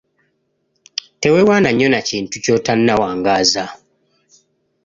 Teweewaana nnyo na kintu ky'otannawangaaza.